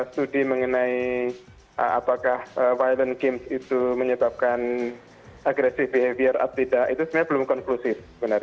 studi mengenai apakah violent games itu menyebabkan agresif behavior atau tidak itu sebenarnya belum konklusif